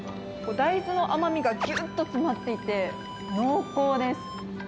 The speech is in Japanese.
大豆の甘みがぎゅっと詰まっていて、濃厚です。